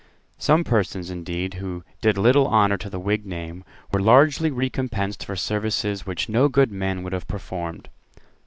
Some persons, indeed, who did little honour to the Whig name, were largely recompensed for services which no good man would have performed.